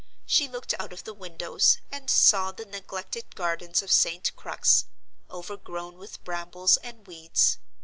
She looked out of the windows, and saw the neglected gardens of St. Crux, overgrown with brambles and weeds.